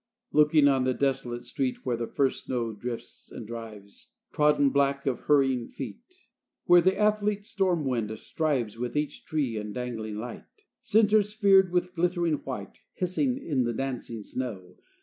XVII Looking on the desolate street, Where the first snow drifts and drives, Trodden black of hurrying feet, Where the athlete storm wind strives With each tree and dangling light, Centres, sphered with glittering white, Hissing in the dancing snow